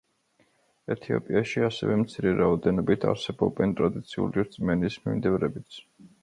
ეთიოპიაში ასევე მცირე რაოდენობით არსებობენ ტრადიციული რწმენის მიმდევრებიც.